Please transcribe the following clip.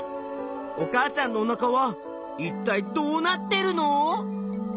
お母さんのおなかはいったいどうなってるの？